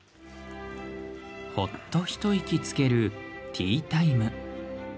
ほっと一息つけるティータイム。